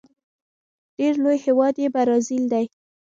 ډیر لوی هیواد یې برازيل دی.